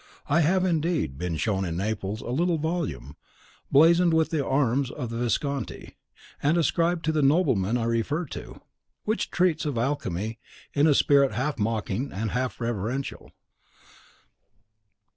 I have, indeed, been shown in Naples a little volume, blazoned with the arms of the Visconti, and ascribed to the nobleman I refer to, which treats of alchemy in a spirit half mocking and half reverential.